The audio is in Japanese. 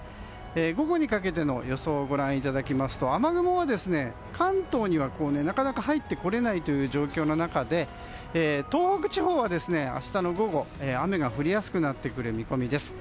午後にかけての予想をご覧いただきますと雨雲は関東にはなかなか入ってこれない状況の中で東北地方は明日の午後雨が降りやすくなる見込みです。